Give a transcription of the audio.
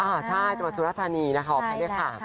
อ่าใช่จังหวัดสุรธานีนะครับใช่แหละค่ะ